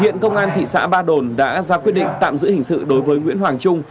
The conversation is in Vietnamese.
hiện công an thị xã ba đồn đã ra quyết định tạm giữ hình sự đối với nguyễn hoàng trung